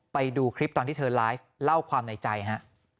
ไปดูคลิปตอนที่เธอไลฟ์เล่าความในใจฮะ